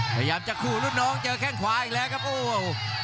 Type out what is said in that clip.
พยายามจะขู่รุ่นน้องเจอแข้งขวาอีกแล้วครับโอ้